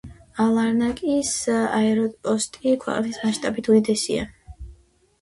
ლარნაკის აეროპორტი ქვეყნის მასშტაბით უდიდესია.